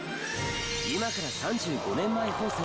今から３５年前放送。